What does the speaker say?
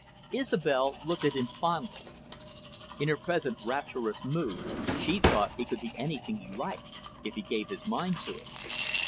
Isobel looked at him fondly. In her present rapturous mood, she thought he could be anything he liked, if he gave his mind to it.